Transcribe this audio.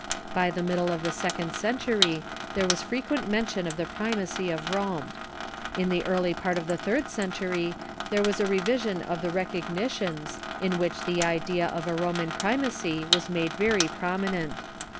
By the mid dle of the second century there was frequent mention of the })rimacy of Rome. In the early part of the third century there was a revision of the Recognitions, in which the idea of a Roman primacy was made very prominent.